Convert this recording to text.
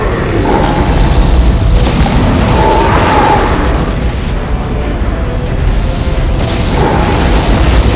penaga puspa tingkat terakhir